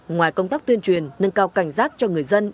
ngoài công tác tuyên truyền nâng cao cảnh giác cho người dân